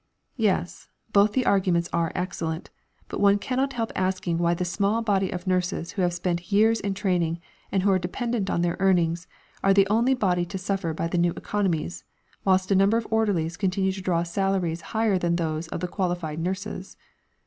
Yes, both the arguments are excellent; but one cannot help asking why the small body of nurses who have spent years in training, and who are dependent on their earnings, are the only body to suffer by the new economies, whilst a number of orderlies continue to draw salaries higher than those of the qualified nurses.